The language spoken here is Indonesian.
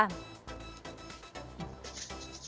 sebenarnya kalau saya katakan